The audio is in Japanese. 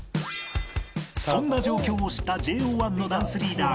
そんな状況を知った ＪＯ１ のダンスリーダー